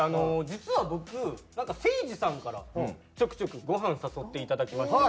実は僕なんかせいじさんからちょくちょくごはん誘っていただきまして。